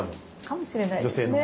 かもしれないですね。